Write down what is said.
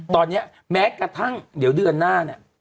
ตอนนี้แม้กระทั่งเดี๋ยวเดือนหน้าเนี่ย